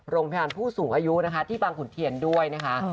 โรงพยาบาลผู้สูงอายุนะคะที่บางขุนเถียนด้วยนะคะ